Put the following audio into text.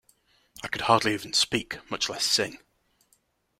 I could hardly even speak, much less sing.